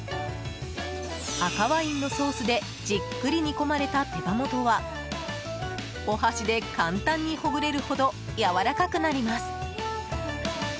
赤ワインのソースでじっくり煮込まれた手羽元はお箸で簡単にほぐれるほどやわらかくなります。